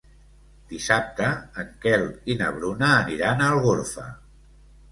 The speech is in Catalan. Dissabte en Quel i na Bruna aniran a Algorfa.